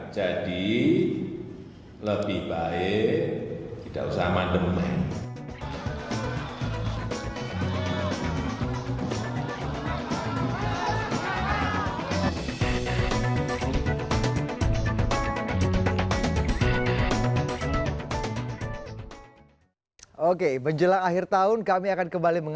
jadi lebih baik tidak usah amademen